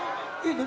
何？